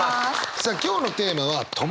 さあ今日のテーマは「友達」。